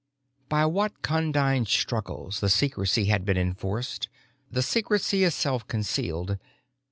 By what condign struggles the secrecy had been enforced, the secrecy itself concealed.